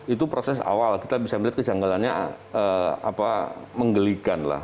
itu proses awal kita bisa melihat kejanggalannya menggelikan lah